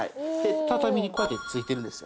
畳にこうやってついてるんですよ。